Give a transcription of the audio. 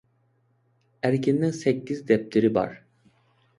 ئەركىننىڭ سەككىز دەپتىرى بار.